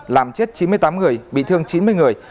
làm chết chín mươi tám người bị thương chín mươi người